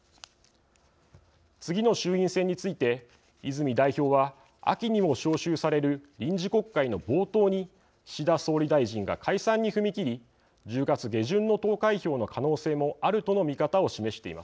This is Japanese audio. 次の衆院選について泉代表は秋にも召集される臨時国会の冒頭に岸田総理大臣が解散に踏み切り１０月下旬の投開票の可能性もあるとの見方を示しています。